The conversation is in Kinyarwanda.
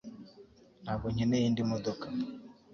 Ntabwo nkeneye indi modoka